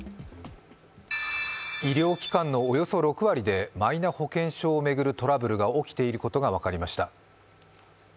医療機関のおよそ６割でマイナ保険証を巡るトラブルが起きていることが分かりました。